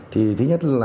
thì thứ nhất là